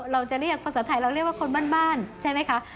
เราจะเรียกภาษาไทยเราเรียกว่าคนบ้านใช่ไหมคะ